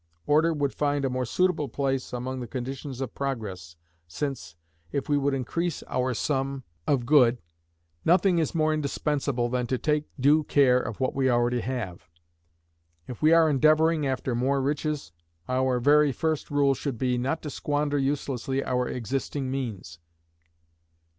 Order would find a more suitable place among the conditions of Progress, since, if we would increase our sum of good, nothing is more indispensable than to take due care of what we already have. If we are endeavouring after more riches, our very first rule should be, not to squander uselessly our existing means.